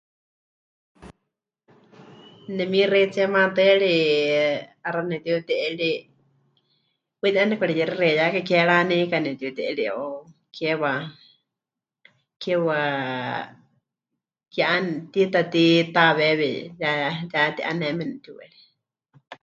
Nemixeitsie maatɨari 'axa nepɨtiuti'eri, paɨ ya nepɨkareyexexeiyakai, ke raneika nepɨtiuti'eri o keewa, keewa, ke mɨ'ane, tiita titawewi ya... ya ti'aneme nepɨtiu'eri.